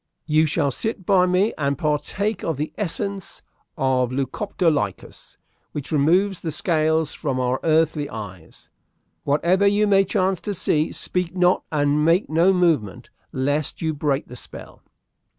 "You shall sit by me and partake of the essence of Lucoptolycus, which removes the scales from our earthly eyes. Whatever you may chance to see, speak not and make no movement, lest you break the spell."